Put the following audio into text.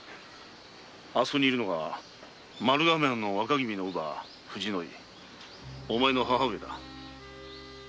あそこに居るのが丸亀藩の若君の乳母・藤の井お前の母上だ。